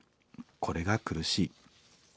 これが苦しい。